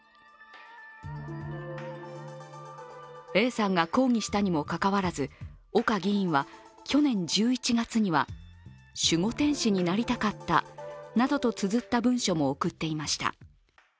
Ａさんが抗議したにもかかわらず岡議員は去年１１月には守護天使になりたかったなどとつづった文書も送っていました。